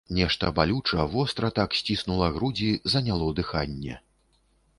Нешта балюча, востра так сціснула грудзі, заняло дыханне.